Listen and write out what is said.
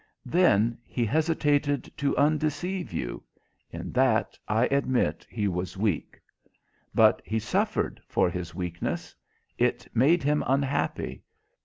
Then he hesitated to undeceive you in that, I admit, he was weak. But he suffered for his weakness. It made him unhappy.